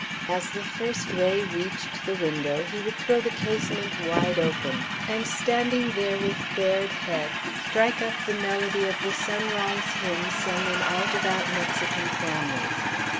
As the first ray reached the window, he would throw the casement wide open, and standing there with bared head, strike up the melody of the sunrise hymn sung in all devout Mexican families.